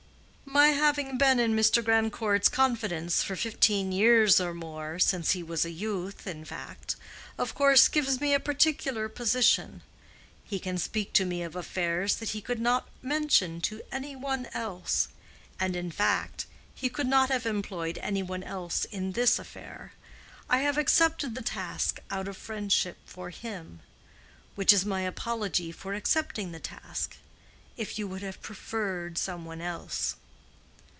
"My having been in Mr. Grandcourt's confidence for fifteen years or more—since he was a youth, in fact—of course gives me a peculiar position. He can speak to me of affairs that he could not mention to any one else; and, in fact, he could not have employed any one else in this affair. I have accepted the task out of friendship for him. Which is my apology for accepting the task—if you would have preferred some one else."